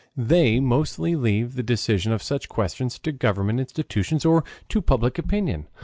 They mostly leave the decision of such questions to government institutions or to public opinion.